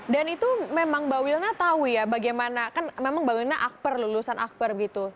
dan itu memang mbak wilna tahu ya bagaimana kan memang mbak wilna akper lulusan akper gitu